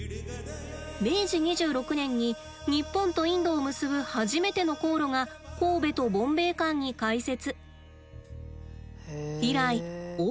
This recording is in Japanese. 明治２６年に日本とインドを結ぶ初めての航路が神戸とボンベイ間に開設。